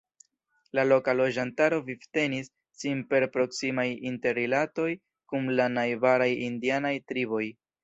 La loka loĝantaro vivtenis sin per proksimaj interrilatoj kun la najbaraj indianaj triboj.